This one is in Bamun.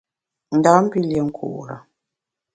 Ndam pi lié nkure.